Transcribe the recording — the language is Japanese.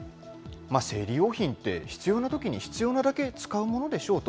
生理用品って、必要なときに必要なだけ使うものでしょうと。